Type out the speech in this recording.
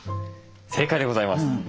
正解でございます。